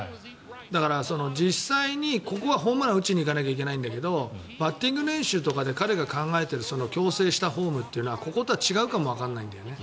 だから、実際にここはホームランを打ちにいかなきゃいけないんだけどバッティング練習とかで彼が考えている矯正したフォームというのはこことも違うかもわからないんだよね。